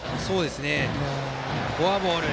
フォアボール。